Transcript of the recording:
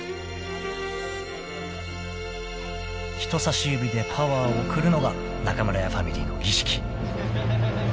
［人さし指でパワーを送るのが中村屋ファミリーの儀式］